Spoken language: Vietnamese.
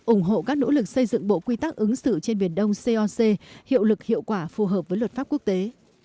ủng hộ các nỗ lực xây dựng bộ quy tắc ứng xử trên biển đông coc hiệu lực hiệu quả phù hợp với luật pháp quốc tế